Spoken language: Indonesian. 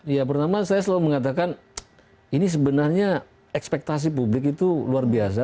ya pertama saya selalu mengatakan ini sebenarnya ekspektasi publik itu luar biasa